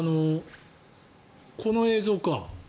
この映像か。